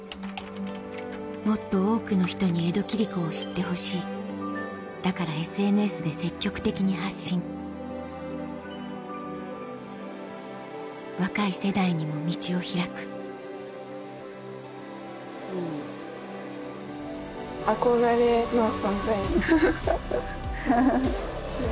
もっと多くの人に江戸切子を知ってほしいだからＳＮＳで積極的に発信若い世代にも道を開くフフフ。